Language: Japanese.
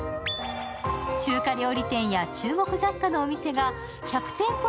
中華料理店や中国雑貨のお店が１００店舗